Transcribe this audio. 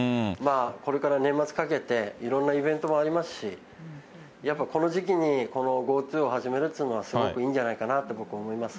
これから年末かけて、いろんなイベントもありますし、やっぱりこの時期にこのＧｏＴｏを始めるというのはすごくいいんじゃないかなと、僕、思います。